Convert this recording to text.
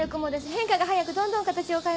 変化が早くどんどん形を変えます。